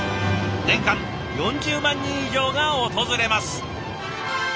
年間４０万人以上が訪れます。